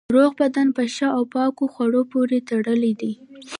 روغ بدن په ښه او پاکو خوړو پورې تړلی دی.